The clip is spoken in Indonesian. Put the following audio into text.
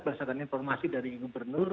berhasilkan informasi dari gubernur